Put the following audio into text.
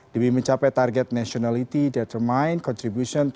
demi mencapai target nationaliti